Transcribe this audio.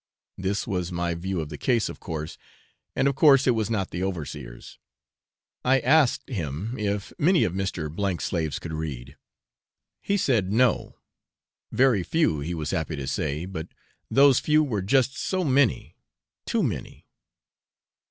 This was my view of the case, of course, and of course it was not the overseer's. I asked him if many of Mr. 's slaves could read. He said 'No; very few, he was happy to say, but those few were just so many too many.'